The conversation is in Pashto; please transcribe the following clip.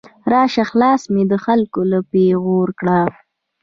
راشه خلاصه مې د خلګو له پیغور کړه